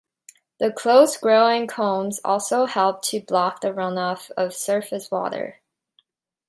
The close-growing culms also help to block the runoff of surface water.